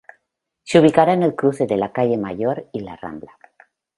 Se ubicará en el cruce de la calle Major y la Rambla.